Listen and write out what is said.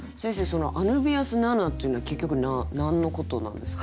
その「アヌビアス・ナナ」っていうのは結局何のことなんですか？